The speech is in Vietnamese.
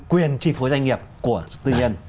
quyền chi phối doanh nghiệp của tư nhân